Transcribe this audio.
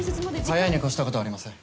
早いに越したことはありません。